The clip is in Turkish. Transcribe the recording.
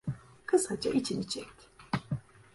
Kısaca içini çekti.